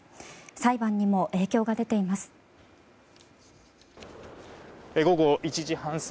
裁判にも影響が出ています。